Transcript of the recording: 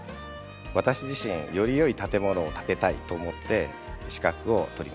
私自身より良い建物を建てたいと思って資格を取りました。